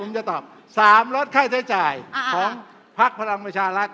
จะต้องต้องตอบ๓ลดค่าใช้จ่ายของภัคภรรณมาชาลัทธ์